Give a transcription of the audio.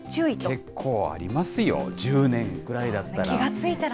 結構ありますよ、１０年ぐらいだったら。